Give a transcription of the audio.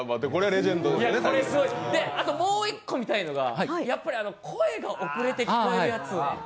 あともう一個見たいのが声が遅れて聞こえるやつ。